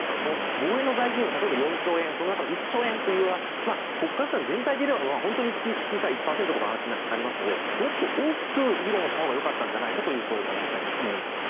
防衛の財源、例えば４兆円その中の１兆円というのは国家予算全体でいえば本当に小さい１％とかの話になりますのでもっと大きく議論をしたほうがよかったんじゃないかという声は耳にします。